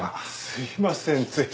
すいませんつい。